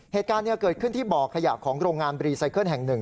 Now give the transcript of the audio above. เหตุการณ์นี้เกิดขึ้นที่บ่อขยะของโรงงานรีไซเคิลแห่ง๑